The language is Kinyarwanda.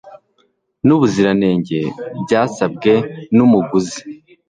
n ubuziranenge byasabwe n umuguzi